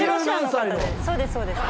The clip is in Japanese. そうですそうです。